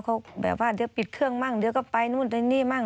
เขาแบบว่าเดี๋ยวปิดเครื่องมั่งเดี๋ยวก็ไปนู่นไปนี่มั่ง